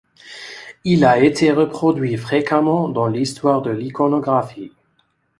Il a été reproduit fréquemment dans l'histoire de l'iconographie.